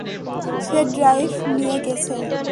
সে drive নিয়ে গেছে।